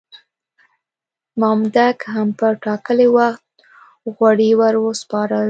مامدک هم پر ټاکلي وخت غوړي ور وسپارل.